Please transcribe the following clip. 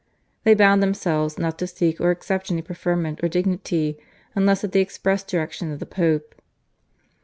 They bound themselves not to seek or accept any preferment or dignity unless at the express direction of the Pope.